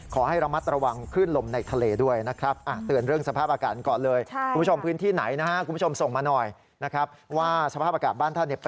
ขอให้ระมัดระวังขึ้นลมในทะเลด้วยนะครับ